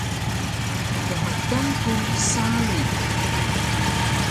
Mkmkan ku sari